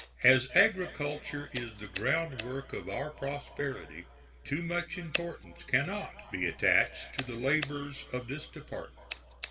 As agriculture is the groundwork of our prosperity, too much importance can not be attached to the labors of this Department.